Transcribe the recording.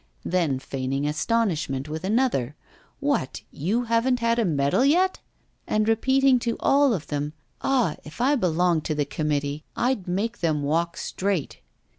then feigning astonishment with another: 'What! you haven't had a medal yet?' and repeating to all of them: 'Ah! If I belonged to the committee, I'd make them walk straight.